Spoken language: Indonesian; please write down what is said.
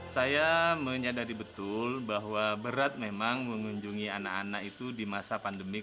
saya menyadari betul bahwa berat memang mengunjungi anak anak itu di masa pandemi